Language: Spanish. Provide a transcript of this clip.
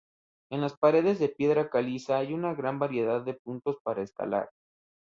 En las paredes de piedra caliza hay una gran variedad de puntos para escalar.